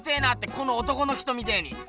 この男の人みてえに。